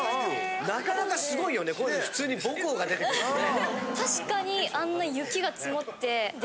なかなかすごいよねこういう風に普通に母校が出てくるってね。